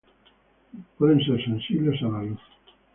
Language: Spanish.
Pueden ser sensibles a la luz.